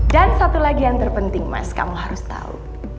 dan satu lagi yang terpenting mas kamu harus tahu